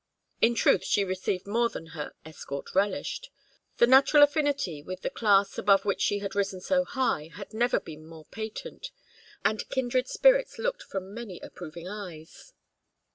In truth she received more than her escort relished. Her natural affinity with the class above which she had risen so high had never been more patent, and kindred spirits looked from many approving eyes.